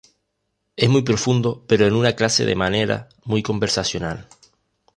Es muy profundo pero en una clase de manera muy conversacional".